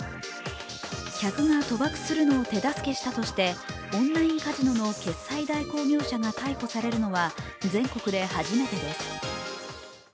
客が賭博するのを手助けしたとしてオンラインカジノの決済代行業者が逮捕されるのは全国で初めてです。